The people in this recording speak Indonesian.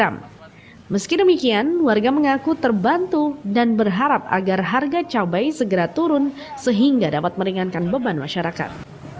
meski demikian warga mengaku terbantu dan berharap agar harga cabai segera turun sehingga dapat meringankan beban masyarakat